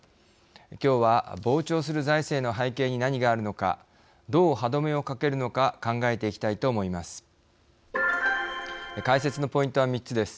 きょうは膨張する財政の背景に何があるのかどう歯止めをかけるのか考えていきたいと思います。